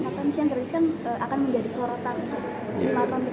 makan siang gratis kan akan menjadi sorotan lima tahun di depan